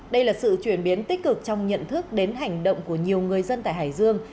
đây là sự chuyển biến tích cực trong nhận thức đến hành động của nhiều người dân tại hải dương